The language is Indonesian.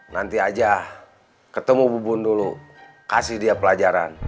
nanti aja ketemu bubun dulu kasih dia pelajaran